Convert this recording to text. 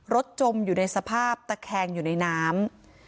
จมอยู่ในสภาพตะแคงอยู่ในน้ำ